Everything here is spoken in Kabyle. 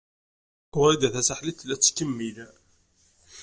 Wrida Tasaḥlit tella tettkemmil.